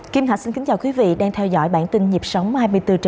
kim hạ xin kính chào quý vị đang theo dõi bản tin nhịp sóng hai mươi bốn h bảy